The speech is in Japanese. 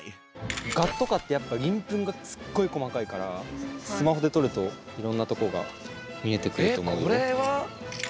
ガとかってやっぱ鱗粉がすっごい細かいからスマホで撮るといろんなとこが見えてくると思うよ。